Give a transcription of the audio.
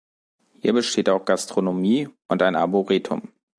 Hier besteht auch Gastronomie und ein Arboretum.